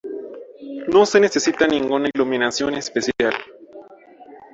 No se necesita ninguna iluminación especial.